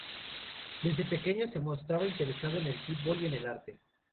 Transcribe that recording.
Desde pequeño se mostraba interesado en el fútbol y en el arte.